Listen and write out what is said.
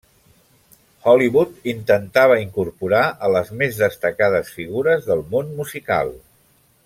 Hollywood intentava incorporar a les més destacades figures del món musical.